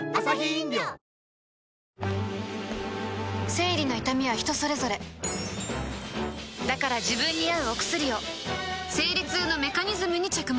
生理の痛みは人それぞれだから自分に合うお薬を生理痛のメカニズムに着目